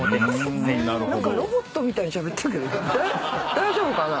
大丈夫かな？